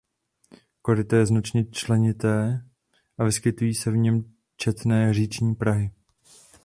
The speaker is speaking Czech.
Koryto je značně členité a vyskytují se v něm četné říční prahy.